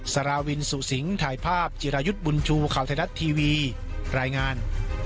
สาราวินสุสิงถ่ายภาพจิรายุทธ์บุญชูข่าวไทยรัฐทีวีรายงาน